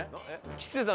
吉瀬さん